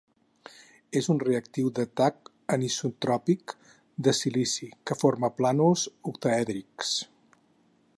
És un reactiu d'atac anisotròpic de silici, que forma plànols octaèdrics.